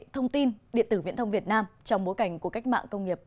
thông tin điện tử viễn thông việt nam trong bối cảnh của cách mạng công nghiệp bốn